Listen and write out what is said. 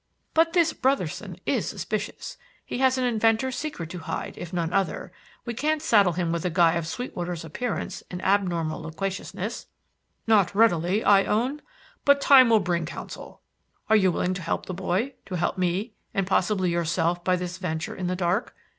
"But this Brotherson is suspicious. He has an inventor's secret to hide, if none other. We can't saddle him with a guy of Sweetwater's appearance and abnormal loquaciousness." "Not readily, I own. But time will bring counsel. Are you willing to help the boy, to help me and possibly yourself by this venture in the dark?